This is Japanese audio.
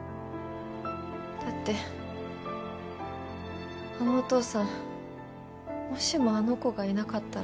だってあのお父さんもしもあの子がいなかったら。